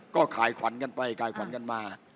ก็ขายขวัญกันไปขายขวัญกันมา